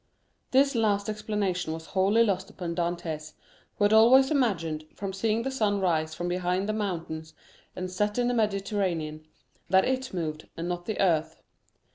This last explanation was wholly lost upon Dantès, who had always imagined, from seeing the sun rise from behind the mountains and set in the Mediterranean, that it moved, and not the earth.